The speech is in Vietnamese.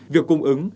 việc cung ứng